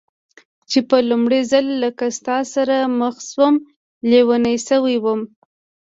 چې په لومړي ځل کله ستا سره مخ شوم، لېونۍ شوې وم.